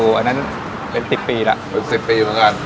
เช่นอาชีพพายเรือขายก๋วยเตี๊ยว